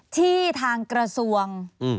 ที่ทางกระทรวง